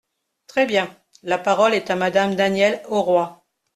Très bien ! La parole est à Madame Danielle Auroi.